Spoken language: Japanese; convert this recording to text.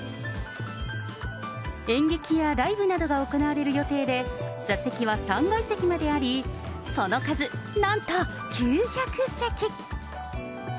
演劇やライブなどが行われる予定で、座席は３階席まであり、その数、なんと９００席。